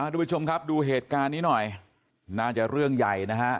ทุกผู้ชมครับดูเหตุการณ์นี้หน่อยน่าจะเรื่องใหญ่นะฮะ